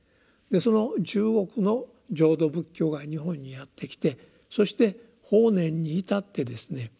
その中国の「浄土仏教」が日本にやって来てそして法然に至ってですね